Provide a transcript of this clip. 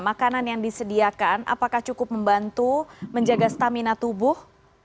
makanan yang disediakan apakah cukup membantu menjaga stamina tubuh